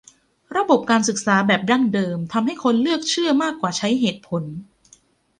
ระบบการศึกษาแบบดั้งเดิมทำให้คนเลือกเชื่อมากกว่าใช้เหตุผล